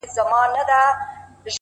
ستا د تورو سترگو اوښکي به پر پاسم